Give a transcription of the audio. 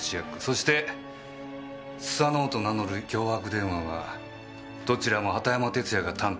そして須佐之男と名乗る脅迫電話はどちらも畑山哲弥が担当した。